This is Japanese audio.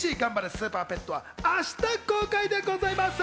スーパーペット』は明日公開でございます。